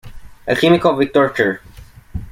El químico Victor Chr.